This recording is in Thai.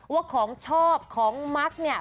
ว่าของชอบของมักเนี่ย